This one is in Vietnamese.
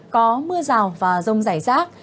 có mưa rào và rông rải rác